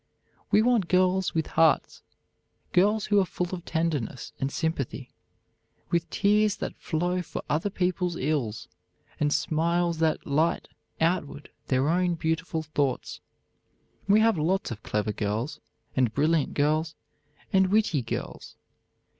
We want girls with hearts, girls who are full of tenderness and sympathy, with tears that flow for other people's ills, and smiles that light outward their own beautiful thoughts. We have lots of clever girls, and brilliant girls, and witty girls.